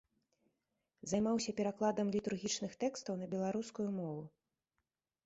Займаўся перакладам літургічных тэкстаў на беларускую мову.